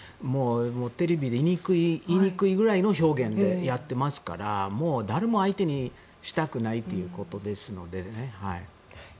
テレビで言いにくいくらいの表現でやっていますのでもう誰も相手にしたくないということですのでね。